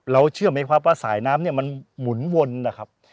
เชื่อไหมครับว่าสายน้ำเนี่ยมันหมุนวนนะครับ